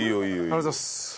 ありがとうございます。